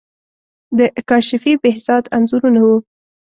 د کاشفی، بهزاد انځورونه وو.